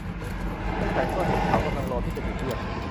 และฉันก็เห็นเขากำลังรอที่จะถูกเรียก